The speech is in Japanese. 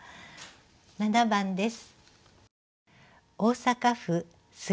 ７番です。